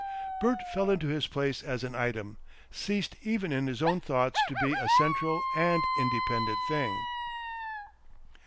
Bert fell into his place as an item, ceased even in his own thoughts to be a central and independent thing.